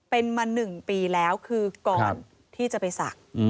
เป็นมา๑ปีแล้วคือก่อนที่จะไปศักดิ์